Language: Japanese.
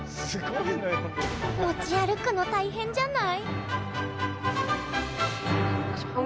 持ち歩くの大変じゃない？